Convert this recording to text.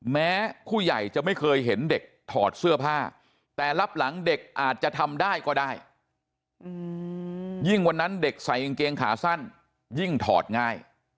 แม้คู่ใหญ่จะไม่เคยเห็นเด็กถอดเสื้อผ้าแต่รับหลังเด็กอาจจะทำได้ก็ได้